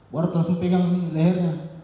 baru langsung pegang lehernya